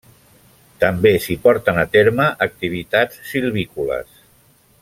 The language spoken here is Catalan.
També s'hi porten a terme activitats silvícoles.